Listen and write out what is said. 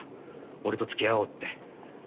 俺とつきあおうって。